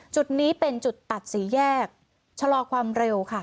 จุดนี้เป็นจุดตัดสี่แยกชะลอความเร็วค่ะ